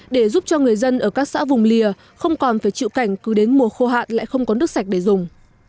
để giúp cho người dân ở các xã vùng lìa không còn phải chịu cảnh cứ đến mùa khô hạn lại không có nước sạch để dùng